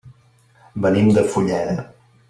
Venim de Fulleda.